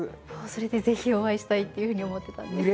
それでぜひお会いしたいっていうふうに思ってたんです。